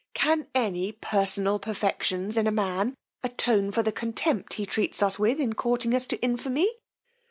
Can any personal perfections in a man attone for the contempt he treats us with in courting us to infamy!